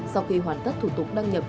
sau khi hoàn tất thủ tục đăng nhập